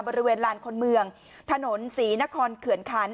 บริเวณลานคนเมืองถนนศรีนครเขื่อนคัน